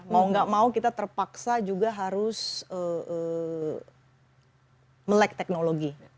mau gak mau kita terpaksa juga harus melek teknologi